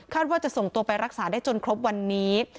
ว่าจะส่งตัวไปรักษาได้จนครบวันนี้